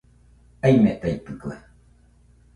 Aimetaitɨkue